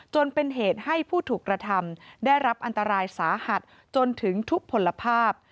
จนเป็นเหตุให้ผู้ถูกกระทำได้รับอันตรายสาหัสจนถึงทุกผลภาพ